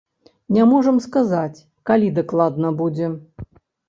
Не можам сказаць, калі дакладна будзе.